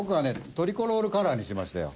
トリコロールカラーにしましたよ。